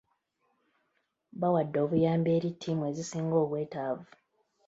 Bawadde obuyambi eri tiimu ezisinga obwetaavu